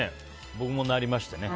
僕もなりましてね。